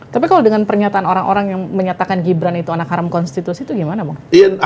tapi kalau dengan pernyataan orang orang yang menyatakan gibran itu anak haram konstitusi itu gimana bang